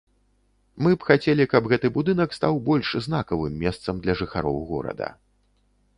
Мы б хацелі, каб гэты будынак стаў больш знакавым месцам для жыхароў горада.